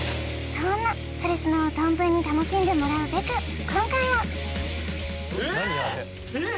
そんな「それスノ」を存分に楽しんでもらうべく今回はええっ！？